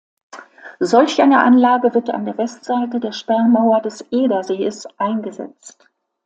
Solch eine Anlage wird an der Westseite der Sperrmauer des Edersees eingesetzt.